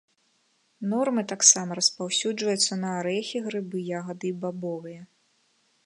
Нормы таксама распаўсюджваюцца на арэхі, грыбы, ягады і бабовыя.